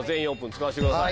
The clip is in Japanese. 使わしてください。